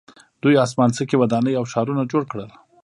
دوی اسمان څکې ودانۍ او ښارونه جوړ کړل.